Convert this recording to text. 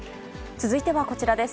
続いてはこちらです。